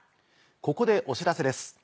ここでお知らせです。